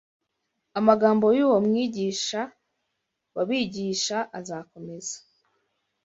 Amagambo y’uwo Mwigisha w’abigisha azakomeza